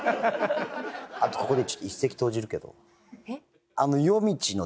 あとここでちょっと一石投じるけど。